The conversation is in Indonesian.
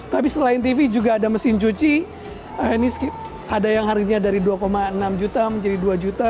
tapi selain tv juga ada mesin cuci ini ada yang harganya dari dua enam juta menjadi dua juta